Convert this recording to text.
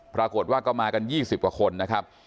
ปรากฏว่าก็มากัน๒๐กว่าคนนะครับ